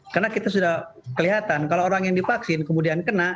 karena kita sudah kelihatan kalau orang yang dipaksin kemudian kena